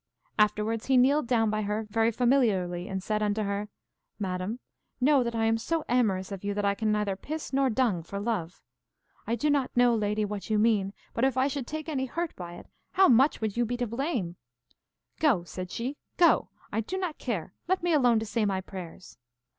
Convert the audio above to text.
Afterwards he kneeled down by her very familiarly and said unto her, Madam, know that I am so amorous of you that I can neither piss nor dung for love. I do not know, lady, what you mean, but if I should take any hurt by it, how much you would be to blame! Go, said she, go! I do not care; let me alone to say my prayers.